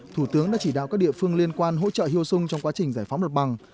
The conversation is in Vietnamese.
thủ tướng đã chỉ đạo các địa phương liên quan hỗ trợ hyu sung trong quá trình giải phóng mặt bằng